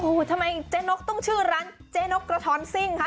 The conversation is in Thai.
โอ้โหทำไมเจ๊นกต้องชื่อร้านเจ๊นกกระท้อนซิ่งคะ